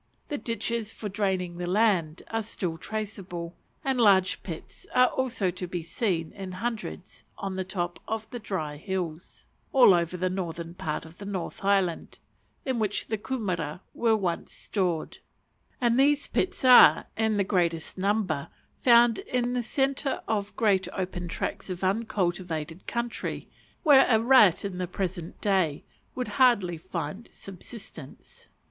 The ditches for draining the land are still traceable, and large pits are to be seen in hundreds, on the tops of the dry hills, all over the northern part of the North Island, in which the kumera were once stored; and these pits are, in the greatest number, found in the centre of great open tracts of uncultivated country, where a rat in the present day would hardly find subsistence.